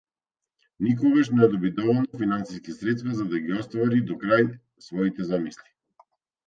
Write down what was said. Никогаш не доби доволно финансиски средства за да ги оствари до крај своите замисли.